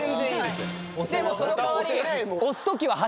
でもその代わり。